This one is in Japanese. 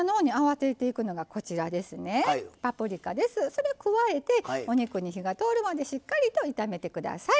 それを加えてお肉に火が通るまでしっかりと炒めて下さい。